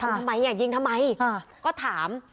ทำไมยิงทำไมก็ถาม